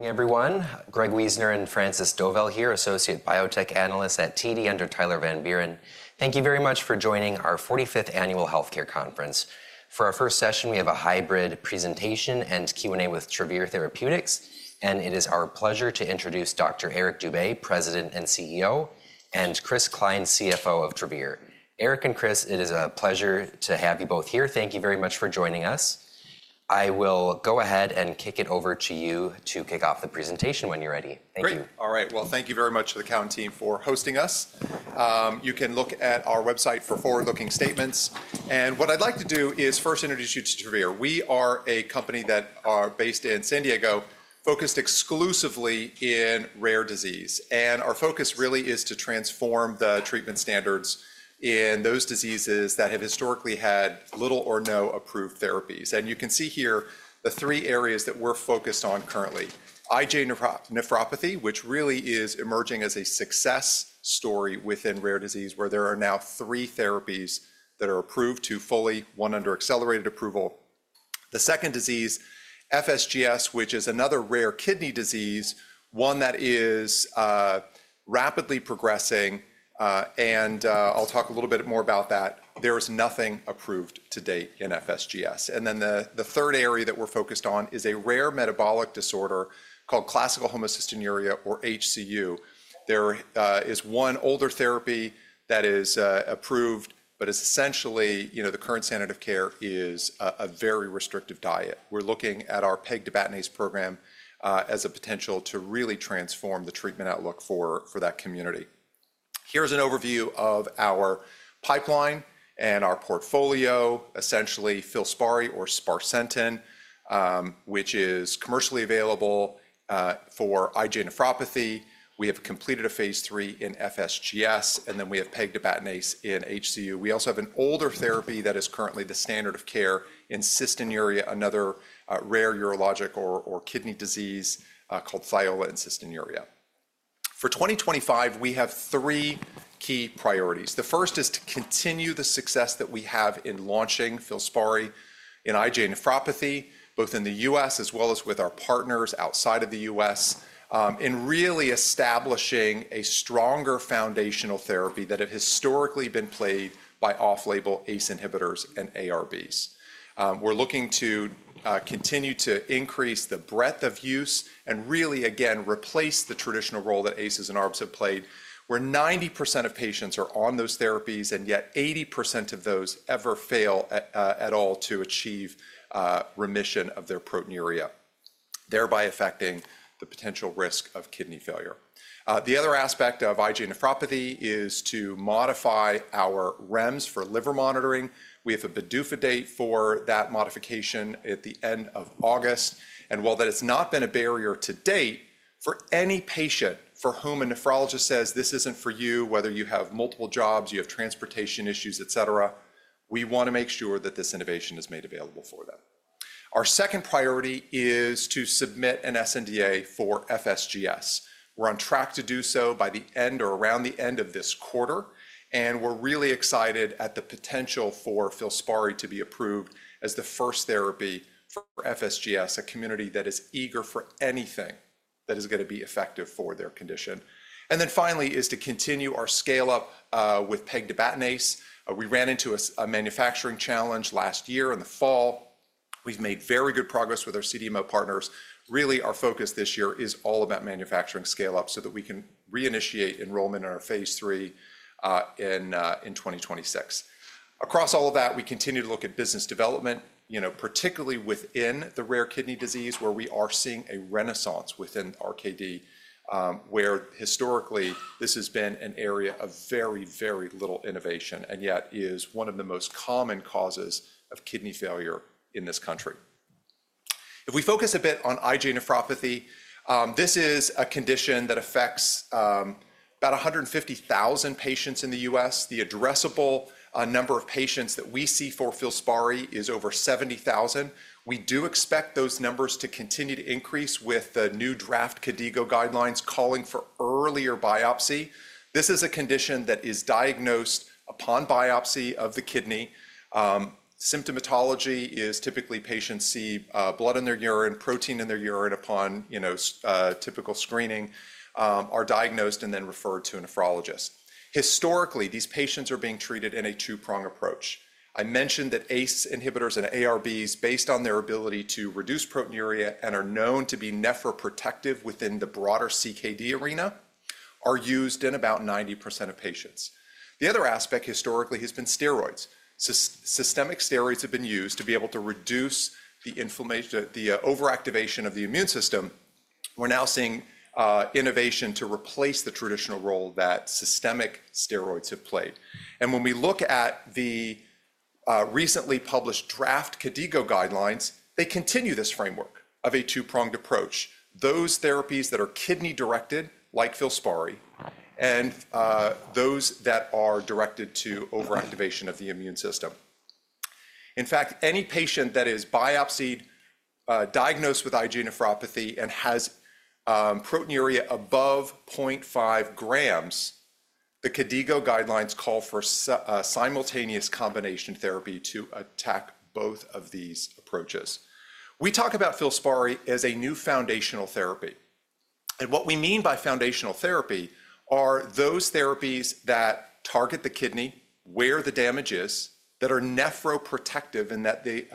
Hey, everyone. Greg Wiesner and Frances Dovell here, associate biotech analysts at TD under Tyler Van Buren. Thank you very much for joining our 45th Annual Healthcare Conference. For our first session, we have a hybrid presentation and Q&A with Travere Therapeutics, and it is our pleasure to introduce Dr. Eric Dube, President and CEO, and Chris Cline, CFO of Travere. Eric and Chris, it is a pleasure to have you both here. Thank you very much for joining us. I will go ahead and kick it over to you to kick off the presentation when you're ready. Thank you. Great. All right. Thank you very much to the Cowen team for hosting us. You can look at our website for forward-looking statements. What I'd like to do is first introduce you to Travere. We are a company that is based in San Diego, focused exclusively on rare disease. Our focus really is to transform the treatment standards in those diseases that have historically had little or no approved therapies. You can see here the three areas that we're focused on currently: IgA nephropathy, which really is emerging as a success story within rare disease, where there are now three therapies that are approved to fully, one under accelerated approval. The second disease, FSGS, which is another rare kidney disease, one that is rapidly progressing. I'll talk a little bit more about that. There is nothing approved to date in FSGS. The third area that we're focused on is a rare metabolic disorder called classical homocystinuria, or HCU. There is one older therapy that is approved, but essentially, the current standard of care is a very restrictive diet. We're looking at our pegtibatinase program as a potential to really transform the treatment outlook for that community. Here's an overview of our pipeline and our portfolio, essentially FILSPARI, or sparsentan, which is commercially available for IgA nephropathy. We have completed a phase III in FSGS, and then we have pegtibatinase in HCU. We also have an older therapy that is currently the standard of care in cystinuria, another rare urologic or kidney disease called THIOLA and cystinuria. For 2025, we have three key priorities. The first is to continue the success that we have in launching FILSPARI in IgA nephropathy, both in the U.S. as well as with our partners outside of the U.S., in really establishing a stronger foundational therapy that has historically been played by off-label ACE inhibitors and ARBs. We're looking to continue to increase the breadth of use and really, again, replace the traditional role that ACEs and ARBs have played, where 90% of patients are on those therapies, and yet 80% of those ever fail at all to achieve remission of their proteinuria, thereby affecting the potential risk of kidney failure. The other aspect of IgA nephropathy is to modify our REMS for liver monitoring. We have a PDUFA date for that modification at the end of August. While that has not been a barrier to date, for any patient for whom a nephrologist says, "This isn't for you," whether you have multiple jobs, you have transportation issues, et cetera, we want to make sure that this innovation is made available for them. Our second priority is to submit an SNDA for FSGS. We're on track to do so by the end or around the end of this quarter. We're really excited at the potential for FILSPARI to be approved as the first therapy for FSGS, a community that is eager for anything that is going to be effective for their condition. Finally, our goal is to continue our scale-up with pegtibatinase. We ran into a manufacturing challenge last year in the fall. We've made very good progress with our CDMO partners. Really, our focus this year is all about manufacturing scale-up so that we can reinitiate enrollment in our phase III in 2026. Across all of that, we continue to look at business development, particularly within the rare kidney disease, where we are seeing a renaissance within RKD, where historically this has been an area of very, very little innovation, and yet is one of the most common causes of kidney failure in this country. If we focus a bit on IgA nephropathy, this is a condition that affects about 150,000 patients in the U.S. The addressable number of patients that we see for FILSPARI is over 70,000. We do expect those numbers to continue to increase with the new draft KDIGO guidelines calling for earlier biopsy. This is a condition that is diagnosed upon biopsy of the kidney. Symptomatology is typically patients see blood in their urine, protein in their urine upon typical screening, are diagnosed, and then referred to a nephrologist. Historically, these patients are being treated in a two-prong approach. I mentioned that ACE inhibitors and ARBs, based on their ability to reduce proteinuria and are known to be nephroprotective within the broader CKD arena, are used in about 90% of patients. The other aspect historically has been steroids. Systemic steroids have been used to be able to reduce the overactivation of the immune system. We are now seeing innovation to replace the traditional role that systemic steroids have played. When we look at the recently published draft KDIGO guidelines, they continue this framework of a two-pronged approach. Those therapies that are kidney-directed, like FILSPARI, and those that are directed to overactivation of the immune system. In fact, any patient that is biopsied, diagnosed with IgA nephropathy, and has proteinuria above 0.5 grams, the KDIGO guidelines call for simultaneous combination therapy to attack both of these approaches. We talk about FILSPARI as a new foundational therapy. What we mean by foundational therapy are those therapies that target the kidney, where the damage is, that are nephroprotective, and that they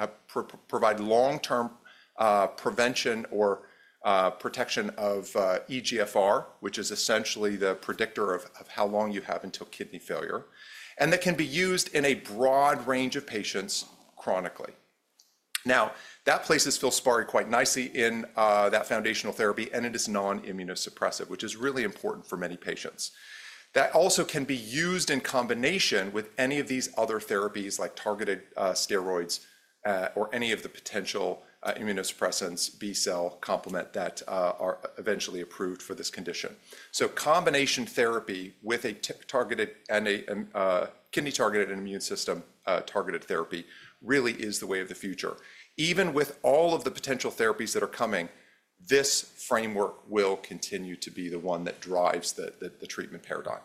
provide long-term prevention or protection of eGFR, which is essentially the predictor of how long you have until kidney failure, and that can be used in a broad range of patients chronically. That places FILSPARI quite nicely in that foundational therapy, and it is non-immunosuppressive, which is really important for many patients. That also can be used in combination with any of these other therapies, like targeted steroids or any of the potential immunosuppressants, B-cell complement, that are eventually approved for this condition. Combination therapy with a kidney-targeted and immune-system-targeted therapy really is the way of the future. Even with all of the potential therapies that are coming, this framework will continue to be the one that drives the treatment paradigm.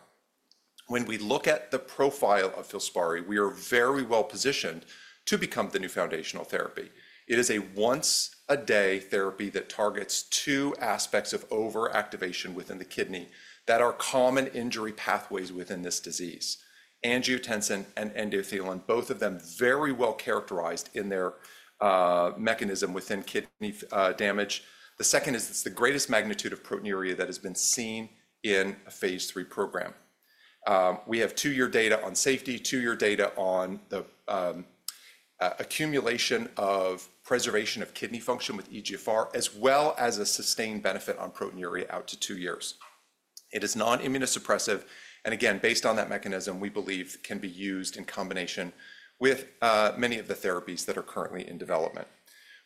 When we look at the profile of FILSPARI, we are very well positioned to become the new foundational therapy. It is a once-a-day therapy that targets two aspects of overactivation within the kidney that are common injury pathways within this disease: angiotensin and endothelin, both of them very well characterized in their mechanism within kidney damage. The second is it's the greatest magnitude of proteinuria that has been seen in a phase III program. We have two-year data on safety, two-year data on the accumulation of preservation of kidney function with eGFR, as well as a sustained benefit on proteinuria out to two years. It is non-immunosuppressive. Again, based on that mechanism, we believe it can be used in combination with many of the therapies that are currently in development.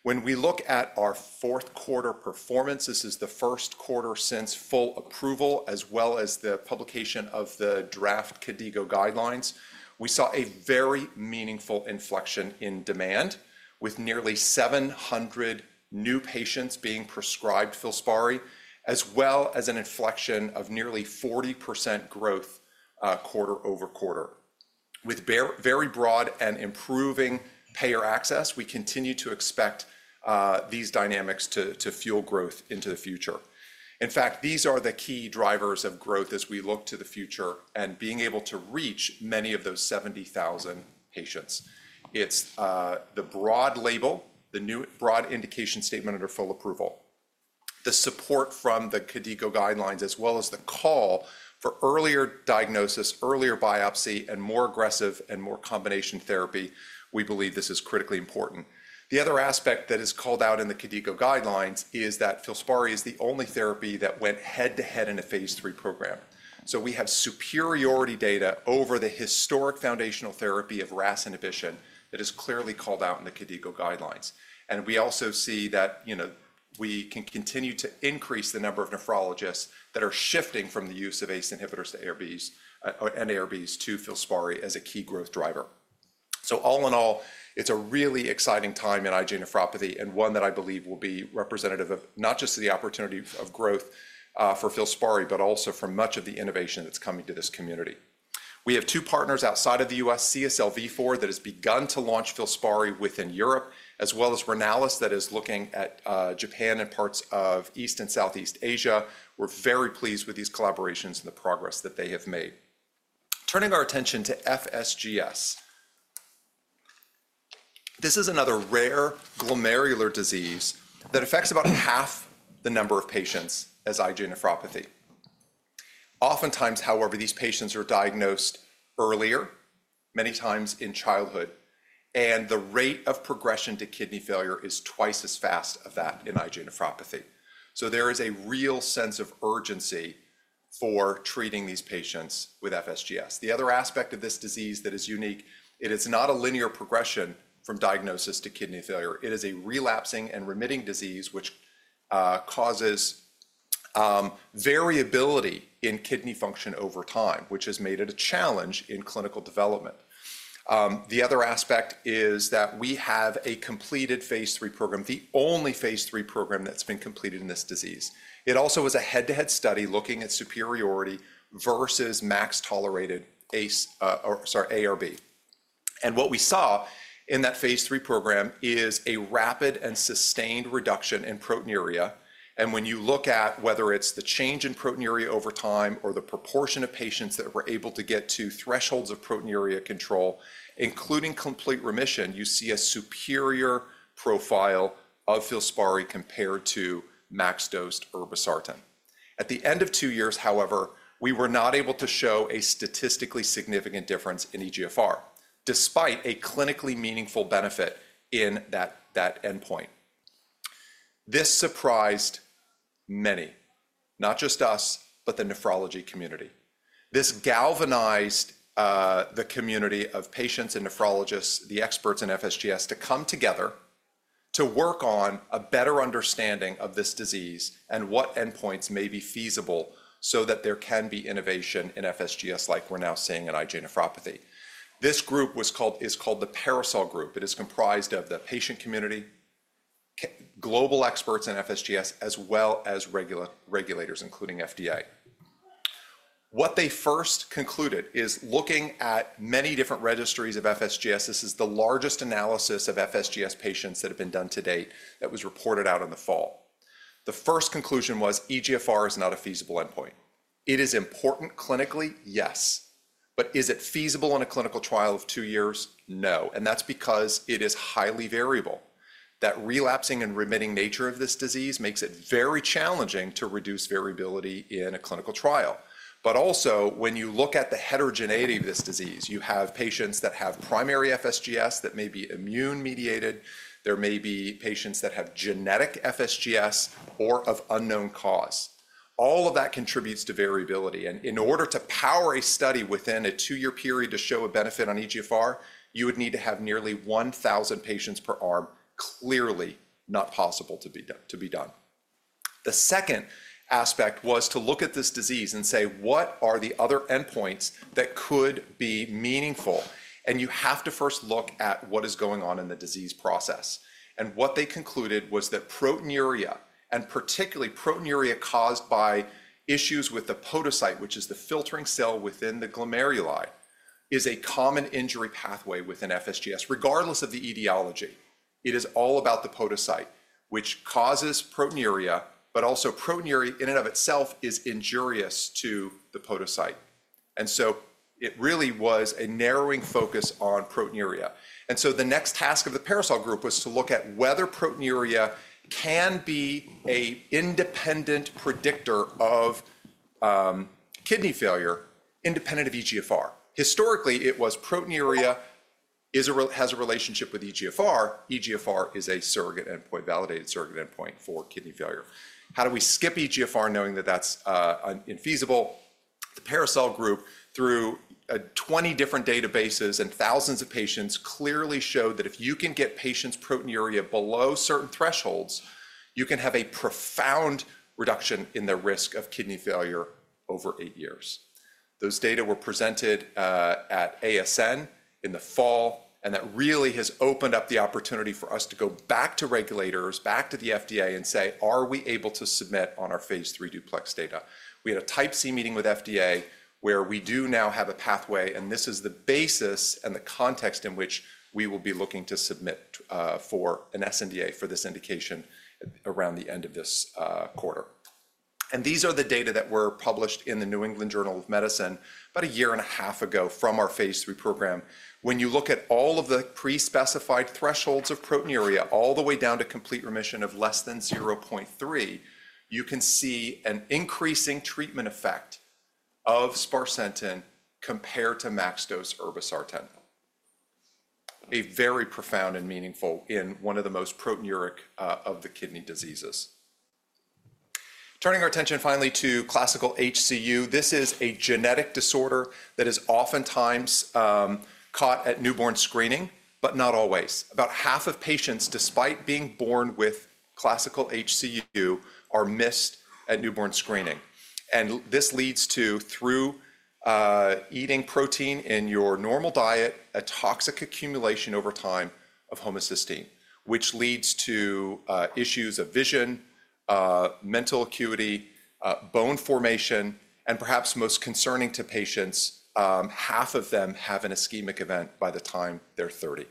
When we look at our fourth quarter performance, this is the first quarter since full approval, as well as the publication of the draft KDIGO guidelines, we saw a very meaningful inflection in demand, with nearly 700 new patients being prescribed FILSPARI, as well as an inflection of nearly 40% growth quarter over quarter. With very broad and improving payer access, we continue to expect these dynamics to fuel growth into the future. In fact, these are the key drivers of growth as we look to the future and being able to reach many of those 70,000 patients. It's the broad label, the new broad indication statement under full approval, the support from the KDIGO guidelines, as well as the call for earlier diagnosis, earlier biopsy, and more aggressive and more combination therapy. We believe this is critically important. The other aspect that is called out in the KDIGO guidelines is that FILSPARI is the only therapy that went head-to-head in a phase III program. We have superiority data over the historic foundational therapy of RAS inhibition that is clearly called out in the KDIGO guidelines. We also see that we can continue to increase the number of nephrologists that are shifting from the use of ACE inhibitors and ARBs to FILSPARI as a key growth driver. All in all, it's a really exciting time in IgA nephropathy and one that I believe will be representative of not just the opportunity of growth for FILSPARI, but also for much of the innovation that's coming to this community. We have two partners outside of the U.S., CSL Vifor, that has begun to launch FILSPARI within Europe, as well as Renalis, that is looking at Japan and parts of East and Southeast Asia. We're very pleased with these collaborations and the progress that they have made. Turning our attention to FSGS. This is another rare glomerular disease that affects about half the number of patients as IgA nephropathy. Oftentimes, however, these patients are diagnosed earlier, many times in childhood, and the rate of progression to kidney failure is twice as fast as that in IgA nephropathy. There is a real sense of urgency for treating these patients with FSGS. The other aspect of this disease that is unique, it is not a linear progression from diagnosis to kidney failure. It is a relapsing and remitting disease, which causes variability in kidney function over time, which has made it a challenge in clinical development. The other aspect is that we have a completed phase III program, the only phase III program that's been completed in this disease. It also was a head-to-head study looking at superiority versus max tolerated ARB. What we saw in that phase III program is a rapid and sustained reduction in proteinuria. When you look at whether it's the change in proteinuria over time or the proportion of patients that were able to get to thresholds of proteinuria control, including complete remission, you see a superior profile of FILSPARI compared to max dosed irbesartan. At the end of two years, however, we were not able to show a statistically significant difference in eGFR, despite a clinically meaningful benefit in that endpoint. This surprised many, not just us, but the nephrology community. This galvanized the community of patients and nephrologists, the experts in FSGS, to come together to work on a better understanding of this disease and what endpoints may be feasible so that there can be innovation in FSGS like we're now seeing in IgA nephropathy. This group is called the PARASOL Group. It is comprised of the patient community, global experts in FSGS, as well as regulators, including FDA. What they first concluded is looking at many different registries of FSGS. This is the largest analysis of FSGS patients that have been done to date that was reported out in the fall. The first conclusion was eGFR is not a feasible endpoint. It is important clinically, yes. Is it feasible in a clinical trial of two years? No. That is because it is highly variable. That relapsing and remitting nature of this disease makes it very challenging to reduce variability in a clinical trial. Also, when you look at the heterogeneity of this disease, you have patients that have primary FSGS that may be immune-mediated. There may be patients that have genetic FSGS or of unknown cause. All of that contributes to variability. In order to power a study within a two-year period to show a benefit on eGFR, you would need to have nearly 1,000 patients per arm. Clearly not possible to be done. The second aspect was to look at this disease and say, what are the other endpoints that could be meaningful? You have to first look at what is going on in the disease process. What they concluded was that proteinuria, and particularly proteinuria caused by issues with the podocyte, which is the filtering cell within the glomeruli, is a common injury pathway within FSGS, regardless of the etiology. It is all about the podocyte, which causes proteinuria, but also proteinuria in and of itself is injurious to the podocyte. It really was a narrowing focus on proteinuria. The next task of the PARASOL Group was to look at whether proteinuria can be an independent predictor of kidney failure independent of eGFR. Historically, proteinuria has a relationship with eGFR. eGFR is a surrogate endpoint, validated surrogate endpoint for kidney failure. How do we skip eGFR knowing that that's infeasible? The PARASOL Group, through 20 different databases and thousands of patients, clearly showed that if you can get patients' proteinuria below certain thresholds, you can have a profound reduction in their risk of kidney failure over eight years. Those data were presented at ASN in the fall, and that really has opened up the opportunity for us to go back to regulators, back to the FDA, and say, are we able to submit on our phase III DUPLEX data? We had a type C meeting with FDA where we do now have a pathway, and this is the basis and the context in which we will be looking to submit for an SNDA for this indication around the end of this quarter. These are the data that were published in the New England Journal of Medicine about a year and a half ago from our phase III program. When you look at all of the pre-specified thresholds of proteinuria all the way down to complete remission of less than 0.3, you can see an increasing treatment effect of sparsentan compared to max dose irbesartan. A very profound and meaningful in one of the most proteinuric of the kidney diseases. Turning our attention finally to classical HCU. This is a genetic disorder that is oftentimes caught at newborn screening, but not always. About half of patients, despite being born with classical HCU, are missed at newborn screening. This leads to, through eating protein in your normal diet, a toxic accumulation over time of homocysteine, which leads to issues of vision, mental acuity, bone formation, and perhaps most concerning to patients, half of them have an ischemic event by the time they're 30.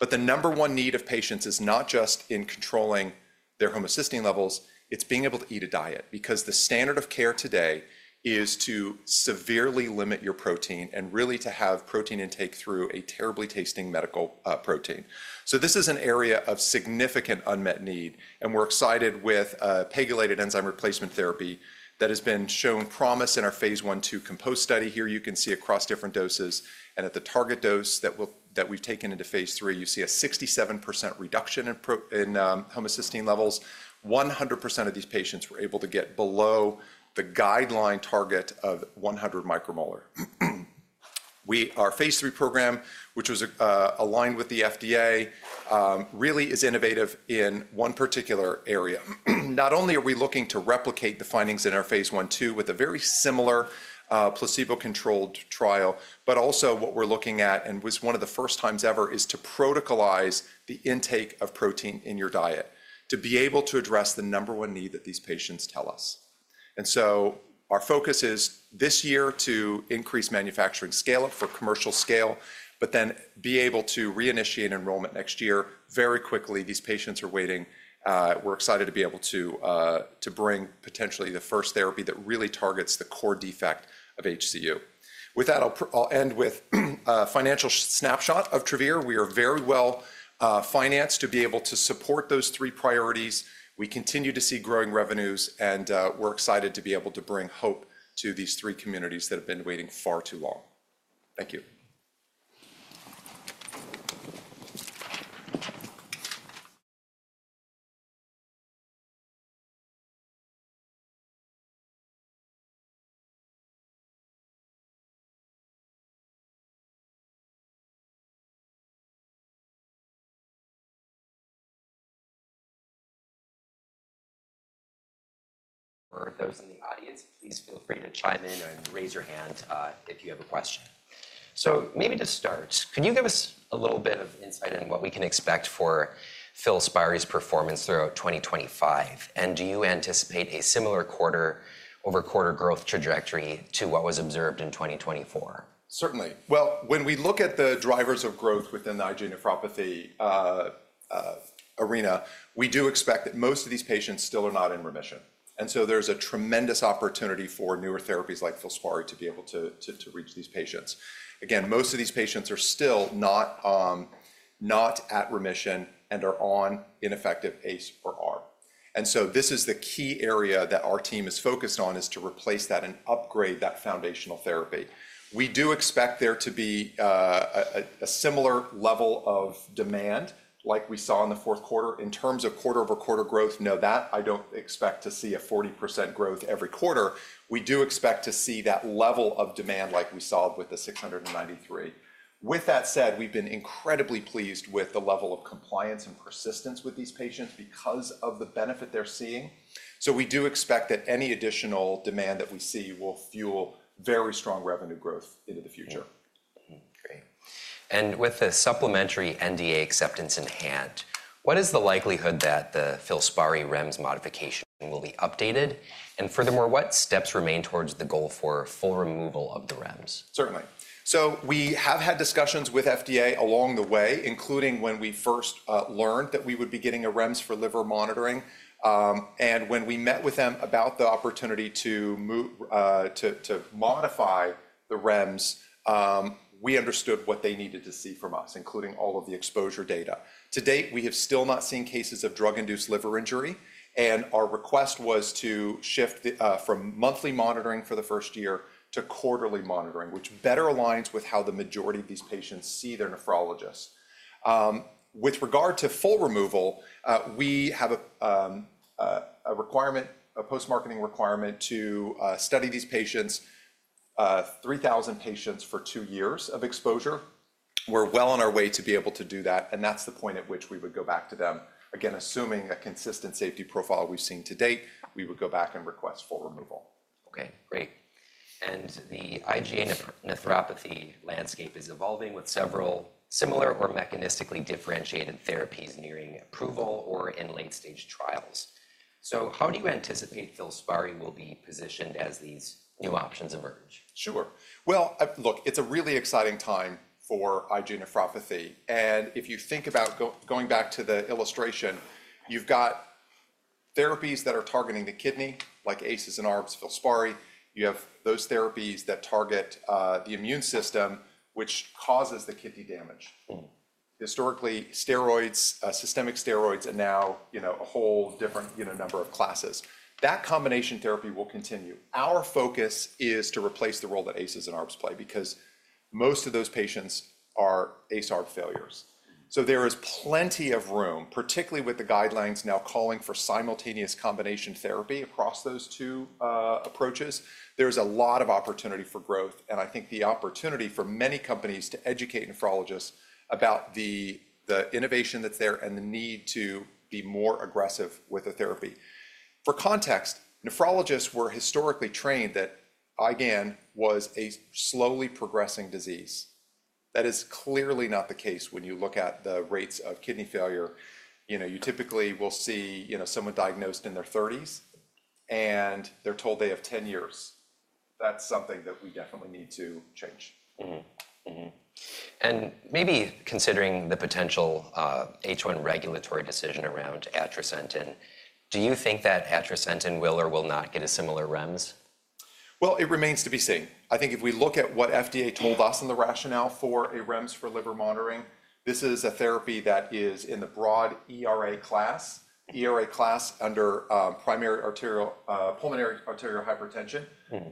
The number one need of patients is not just in controlling their homocysteine levels. It's being able to eat a diet because the standard of care today is to severely limit your protein and really to have protein intake through a terribly tasting medical protein. This is an area of significant unmet need, and we're excited with pegylated enzyme replacement therapy that has shown promise in our Phase I/II COMPOSER study. Here you can see across different doses. At the target dose that we've taken into phase III, you see a 67% reduction in homocysteine levels. 100% of these patients were able to get below the guideline target of 100 micromolar. Our phase III program, which was aligned with the FDA, really is innovative in one particular area. Not only are we looking to replicate the findings in our Phase I/II with a very similar placebo-controlledq trial, but also what we're looking at, and was one of the first times ever, is to protocolize the intake of protein in your diet to be able to address the number one need that these patients tell us. Our focus is this year to increase manufacturing scale for commercial scale, but then be able to reinitiate enrollment next year very quickly. These patients are waiting. We're excited to be able to bring potentially the first therapy that really targets the core defect of HCU. With that, I'll end with a financial snapshot of Travere. We are very well financed to be able to support those three priorities. We continue to see growing revenues, and we're excited to be able to bring hope to these three communities that have been waiting far too long. Thank you. For those in the audience, please feel free to chime in and raise your hand if you have a question. Maybe to start, can you give us a little bit of insight into what we can expect for FILSPARI's performance throughout 2025? And do you anticipate a similar quarter-over-quarter growth trajectory to what was observed in 2024? Certainly. When we look at the drivers of growth within the IgA nephropathy arena, we do expect that most of these patients still are not in remission. There is a tremendous opportunity for newer therapies like FILSPARI to be able to reach these patients. Again, most of these patients are still not at remission and are on ineffective ACE or ARB. This is the key area that our team is focused on, to replace that and upgrade that foundational therapy. We do expect there to be a similar level of demand like we saw in the fourth quarter. In terms of quarter-over-quarter growth, know that I do not expect to see a 40% growth every quarter. We do expect to see that level of demand like we saw with the 693. With that said, we've been incredibly pleased with the level of compliance and persistence with these patients because of the benefit they're seeing. We do expect that any additional demand that we see will fuel very strong revenue growth into the future. Great. With the supplementary NDA acceptance in hand, what is the likelihood that the FILSPARI REMS modification will be updated? Furthermore, what steps remain towards the goal for full removal of the REMS? Certainly. We have had discussions with FDA along the way, including when we first learned that we would be getting a REMS for liver monitoring. When we met with them about the opportunity to modify the REMS, we understood what they needed to see from us, including all of the exposure data. To date, we have still not seen cases of drug-induced liver injury, and our request was to shift from monthly monitoring for the first year to quarterly monitoring, which better aligns with how the majority of these patients see their nephrologist. With regard to full removal, we have a requirement, a post-marketing requirement to study these patients, 3,000 patients for two years of exposure. We are well on our way to be able to do that, and that is the point at which we would go back to them. Again, assuming a consistent safety profile we've seen to date, we would go back and request full removal. Okay, great. The IgA nephropathy landscape is evolving with several similar or mechanistically differentiated therapies nearing approval or in late-stage trials. How do you anticipate FILSPARI will be positioned as these new options emerge? Sure. Look, it's a really exciting time for IgA nephropathy. If you think about going back to the illustration, you've got therapies that are targeting the kidney, like ACEs and ARBs, FILSPARI. You have those therapies that target the immune system, which causes the kidney damage. Historically, steroids, systemic steroids, and now a whole different number of classes. That combination therapy will continue. Our focus is to replace the role that ACEs and ARBs play because most of those patients are ACE/ARB failures. There is plenty of room, particularly with the guidelines now calling for simultaneous combination therapy across those two approaches. There is a lot of opportunity for growth, and I think the opportunity for many companies to educate nephrologists about the innovation that's there and the need to be more aggressive with the therapy. For context, nephrologists were historically trained that IgA nephropathy was a slowly progressing disease. That is clearly not the case when you look at the rates of kidney failure. You typically will see someone diagnosed in their 30s, and they're told they have 10 years. That's something that we definitely need to change. Maybe considering the potential H1 regulatory decision around atrosentan, do you think that atrosentan will or will not get a similar REMS? It remains to be seen. I think if we look at what FDA told us and the rationale for a REMS for liver monitoring, this is a therapy that is in the broad ERA class. ERA class under primary pulmonary arterial hypertension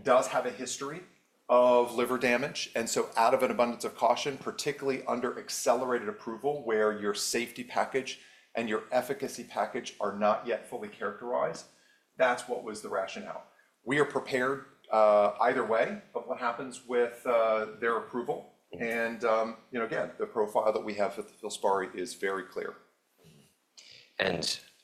does have a history of liver damage. Out of an abundance of caution, particularly under accelerated approval where your safety package and your efficacy package are not yet fully characterized, that was the rationale. We are prepared either way, but what happens with their approval? Again, the profile that we have with the FILSPARI is very clear.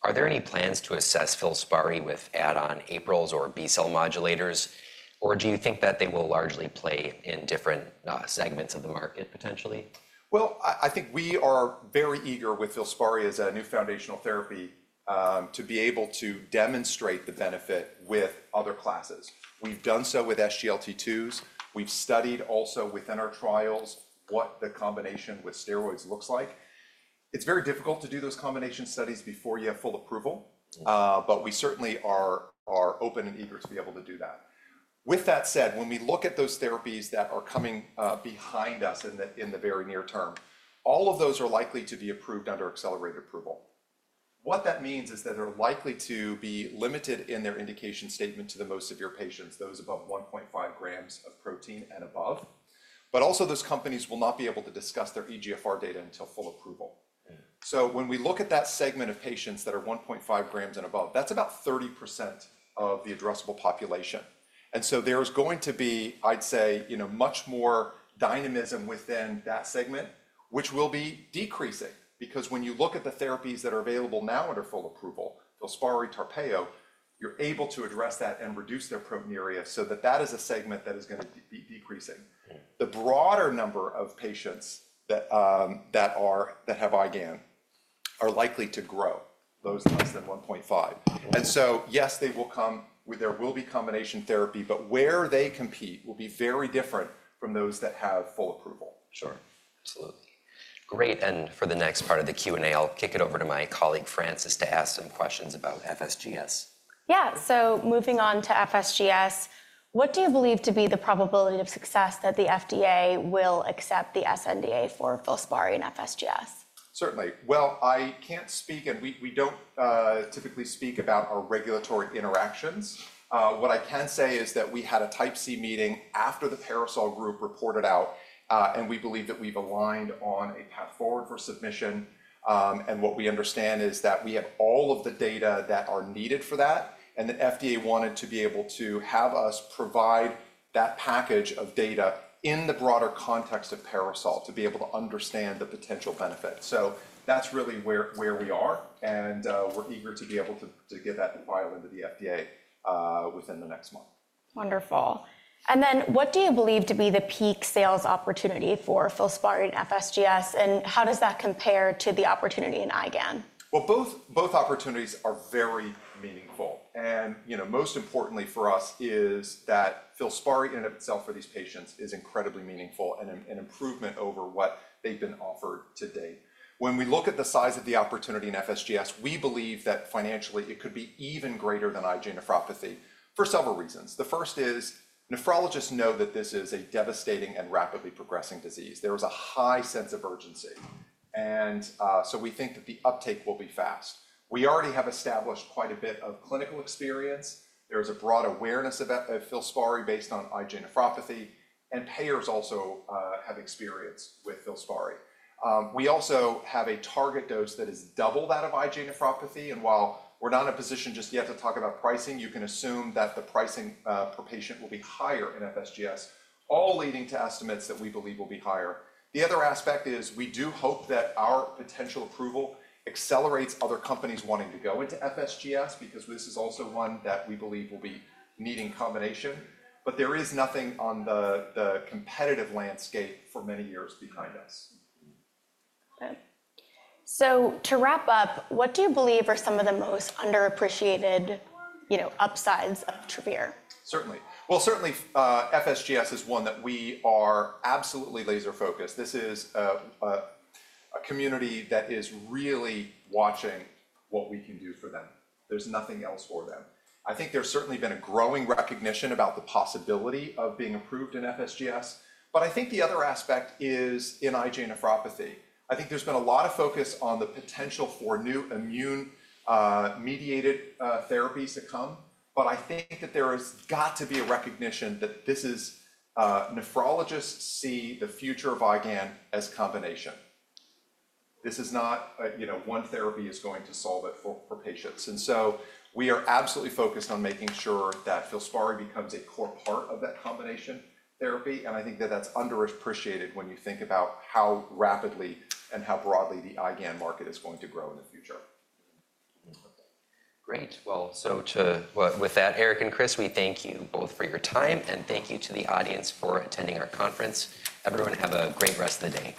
Are there any plans to assess FILSPARI with add-on ARBs or B-cell modulators? Or do you think that they will largely play in different segments of the market potentially? I think we are very eager with FILSPARI as a new foundational therapy to be able to demonstrate the benefit with other classes. We've done so with SGLT2s. We've studied also within our trials what the combination with steroids looks like. It's very difficult to do those combination studies before you have full approval, but we certainly are open and eager to be able to do that. With that said, when we look at those therapies that are coming behind us in the very near term, all of those are likely to be approved under accelerated approval. What that means is that they're likely to be limited in their indication statement to the most severe patients, those above 1.5 grams of protein and above. Also, those companies will not be able to discuss their eGFR data until full approval. When we look at that segment of patients that are 1.5 grams and above, that's about 30% of the addressable population. There is going to be, I'd say, much more dynamism within that segment, which will be decreasing because when you look at the therapies that are available now under full approval, FILSPARI, Tarpeyo, you're able to address that and reduce their proteinuria so that is a segment that is going to be decreasing. The broader number of patients that have IgAN are likely to grow, those less than 1.5. Yes, they will come with, there will be combination therapy, but where they compete will be very different from those that have full approval. Sure, absolutely. Great. For the next part of the Q&A, I'll kick it over to my colleague Frances to ask some questions about FSGS. Yeah, so moving on to FSGS, what do you believe to be the probability of success that the FDA will accept the SNDA for FILSPARI and FSGS? Certainly. I can't speak, and we don't typically speak about our regulatory interactions. What I can say is that we had a type C meeting after the PARASOL group reported out, and we believe that we've aligned on a path forward for submission. What we understand is that we have all of the data that are needed for that, and the FDA wanted to be able to have us provide that package of data in the broader context of PARASOL to be able to understand the potential benefit. That's really where we are, and we're eager to be able to get that file into the FDA within the next month. Wonderful. What do you believe to be the peak sales opportunity for FILSPARI in FSGS, and how does that compare to the opportunity in IgAN? Both opportunities are very meaningful. Most importantly for us is that FILSPARI in itself for these patients is incredibly meaningful and an improvement over what they've been offered to date. When we look at the size of the opportunity in FSGS, we believe that financially it could be even greater than IgA nephropathy for several reasons. The first is nephrologists know that this is a devastating and rapidly progressing disease. There is a high sense of urgency, and we think that the uptake will be fast. We already have established quite a bit of clinical experience. There is a broad awareness of FILSPARI based on IgA nephropathy, and payers also have experience with FILSPARI. We also have a target dose that is double that of IgA nephropathy. While we're not in a position just yet to talk about pricing, you can assume that the pricing per patient will be higher in FSGS, all leading to estimates that we believe will be higher. The other aspect is we do hope that our potential approval accelerates other companies wanting to go into FSGS because this is also one that we believe will be needing combination. There is nothing on the competitive landscape for many years behind us. To wrap up, what do you believe are some of the most underappreciated upsides of Travere? Certainly. Certainly FSGS is one that we are absolutely laser-focused. This is a community that is really watching what we can do for them. There's nothing else for them. I think there's certainly been a growing recognition about the possibility of being approved in FSGS, but I think the other aspect is in IgA nephropathy. I think there's been a lot of focus on the potential for new immune-mediated therapies to come, but I think that there has got to be a recognition that nephrologists see the future of IgAN as combination. This is not one therapy that is going to solve it for patients. We are absolutely focused on making sure that FILSPARI becomes a core part of that combination therapy, and I think that that's underappreciated when you think about how rapidly and how broadly the IgAN market is going to grow in the future. Great. With that, Eric and Chris, we thank you both for your time, and thank you to the audience for attending our conference. Everyone have a great rest of the day.